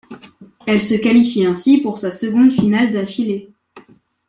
Elle se qualifie ainsi pour sa seconde finale d'affilée.